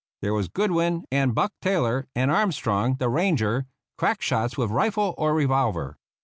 There were Good win, and Buck Taylor, and Armstrong the ranger, crack shots with rifle or revolver.